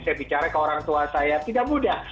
saya bicara ke orang tua saya tidak mudah